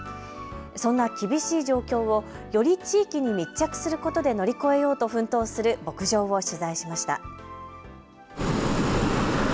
そんな厳しい状況をより地域に密着することで乗り越えようと奮闘する牧場を取材しました。